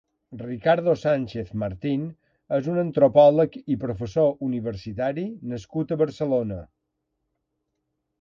Ricardo Sánchez Martín és un antropòleg i professor universitari nascut a Barcelona.